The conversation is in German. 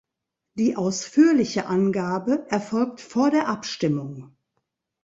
Die ausführliche Angabe erfolgt vor der Abstimmung.